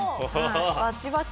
バチバチ。